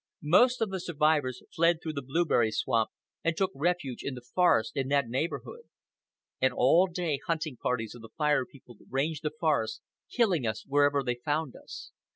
Most of the survivors fled toward the blueberry swamp and took refuge in the forest in that neighborhood. And all day hunting parties of the Fire People ranged the forest, killing us wherever they found us.